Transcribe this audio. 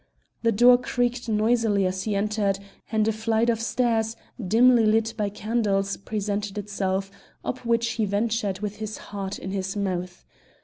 The door creaked noisily as he entered, and a flight of stairs, dimly lit by candles, presented itself, up which he ventured with his heart in his mouth.